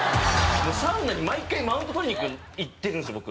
サウナに毎回マウント取りに行ってるんですよ僕。